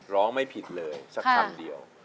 ไม่ผิดเลยสักคำเดียว